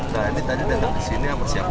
nah ini tadi datang ke sini sama siapa